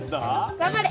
頑張れ！